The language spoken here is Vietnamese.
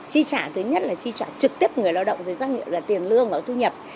chi trả thứ nhất là chi trả trực tiếp người lao động với doanh nghiệp là tiền lương và thu nhập